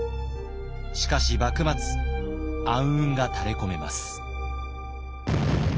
しかし幕末暗雲が垂れこめます。